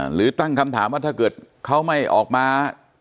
หรือตั้งคำถามว่าถ้าเกิดเขาไม่ออกมา